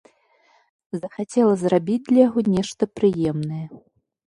Захацела зрабіць для яго нешта прыемнае.